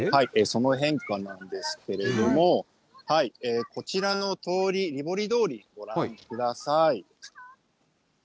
その変化なんですけれども、こちらの通り、リヴォリ通り、ご覧ください。